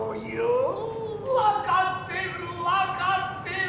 分かってる分かってる。